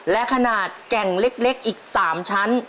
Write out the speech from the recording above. และขนาดแก่งเล็กอีก๓ชั้น